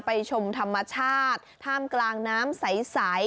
ชมธรรมชาติท่ามกลางน้ำใส